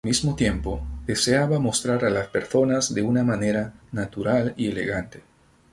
Al mismo tiempo, deseaba mostrar a las personas de una manera natural y elegante.